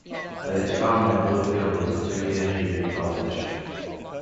At its founding, Bluefield was a two-year junior college.